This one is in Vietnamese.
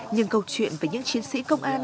nhưng câu chuyện với những chiến sĩ công an